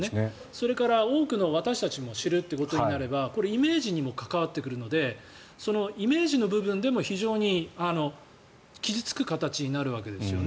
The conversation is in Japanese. それから多くの私たちも知るということになればイメージにも関わってくるのでイメージの部分でも非常に傷付く形になるわけですよね